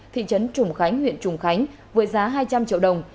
thị trấn trung khánh huyện trung khánh với giá hai trăm linh triệu đồng